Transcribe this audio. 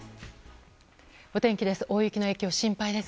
お天気です。